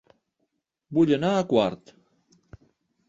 Vull anar a Quart